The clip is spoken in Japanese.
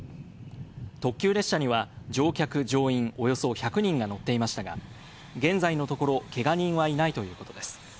特急列車には乗客乗員およそ１００人が乗っていましたが、現在のところ、けが人はいないということです。